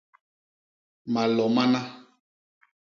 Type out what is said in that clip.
Malo mana.